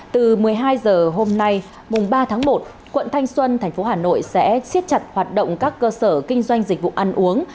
từ một mươi hai h hôm nay mùng ba tháng một quận thanh xuân tp hà nội sẽ xiết chặt hoạt động các cơ sở kinh doanh dịch vụ ăn uống